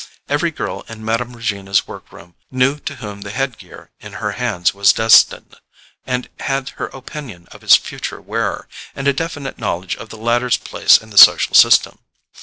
Every girl in Mme. Regina's work room knew to whom the headgear in her hands was destined, and had her opinion of its future wearer, and a definite knowledge of the latter's place in the social system.